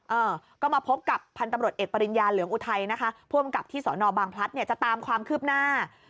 เออก็มาพบกับพันธุ์ตำรวจเอกปริญญาเหลืองอุทัยนะคะผู้อำกับที่สอนอบางพลัดเนี่ยจะตามความคืบหน้า